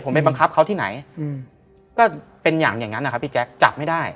ผมไปบังคับเขาที่ไหนก็เป็นอย่างอย่างนั้นนะครับพี่แจ๊คจับไม่ได้